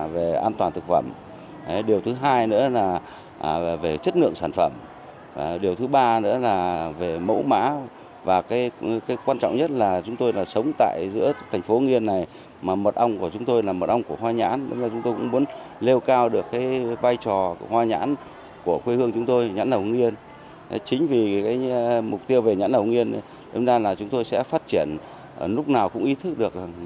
vì mục tiêu về nhãn ở hưng yên chúng tôi sẽ phát triển lúc nào cũng ý thức được